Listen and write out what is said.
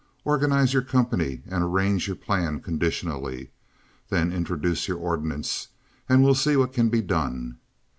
Organize your company, and arrange your plan conditionally. Then introduce your ordinance, and we'll see what can be done."